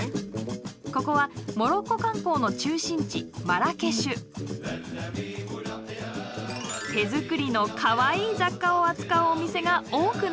ここはモロッコ観光の中心地手作りのかわいい雑貨を扱うお店が多く並びます。